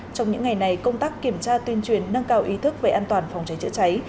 trong những ngày này công tác kiểm tra tuyên truyền nâng cao ý thức về an toàn phòng cháy chữa cháy